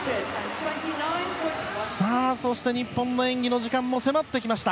そして日本の演技の時間も迫ってきました。